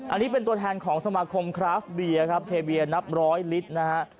อันนี้เป็นตัวแทนของสมาคมคราฟเบียครับเทเบียนับร้อยลิตรนะฮะ